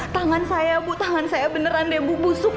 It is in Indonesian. tangan saya beneran debu busuk bu